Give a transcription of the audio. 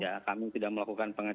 ya kami tidak melakukan pengecekan